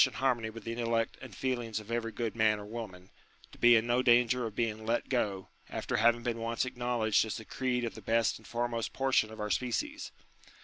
UTILITY OF RELIGION 99 harmony with the intellect and feelings of every good man or woman, to be in no danger of being let go, after having been once acknowledged as the creed of the best and foremost portion of our species.